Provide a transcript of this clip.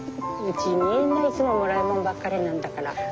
うちみんないつももらいもんばっかりなんだから。